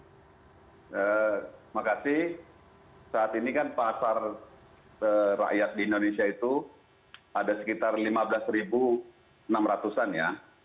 terima kasih saat ini kan pasar rakyat di indonesia itu ada sekitar lima belas enam ratus an ya